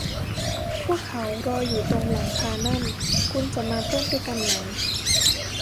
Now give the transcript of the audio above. พวกเขารออยู่ตรงหลังคานั่น คุณจะมาเต้นด้วยกันไหม